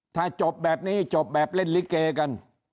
ถ้าจบแบบนี้จบแบบเล่นลิเกกัน